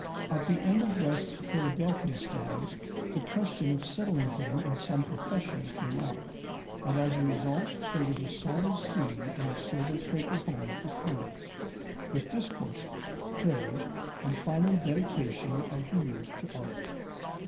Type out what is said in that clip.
At the end of West's Philadelphia studies the question of settling him in some profession came up, and as a result there was a solemn scene in the sober Quaker home of his parents, with discourses, prayers, and final dedication of the youth to art.